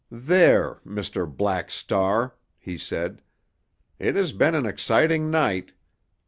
"There, Mr. Black Star!" he said. "It has been an exciting night.